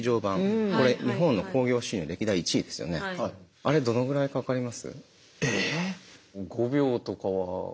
最近あれどのぐらいか分かります？え？